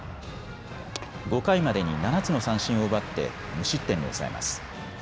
５回までに７つの三振を奪って無失点に抑えます。